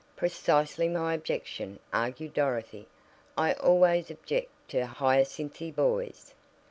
"Precisely my objection," argued Dorothy. "I always object to 'hyacinthy' boys."